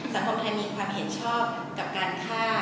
สังคมไทยมีความเห็นชอบกับการฆ่า